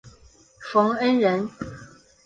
冯恩人。